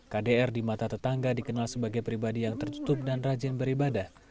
kdr di mata tetangga dikenal sebagai pribadi yang tertutup dan rajin beribadah